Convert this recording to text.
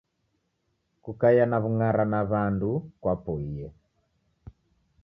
Kukaia na w'ung'ara na wandu kwapoie.